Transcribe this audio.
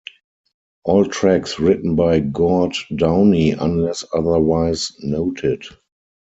All tracks written by Gord Downie unless otherwise noted.